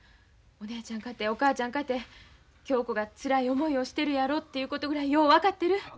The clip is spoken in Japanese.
お姉ちゃんかてお母ちゃんかて恭子がつらい思いをしてるやろということぐらいよう分かってる。